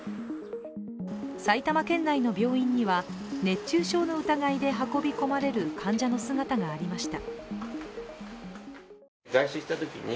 埼玉県内の病院には熱中症の疑いで運び込まれる患者の姿がありました。